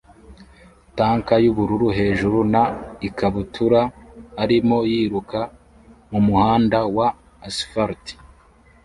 tank yubururu hejuru na ikabutura arimo yiruka mumuhanda wa asfalt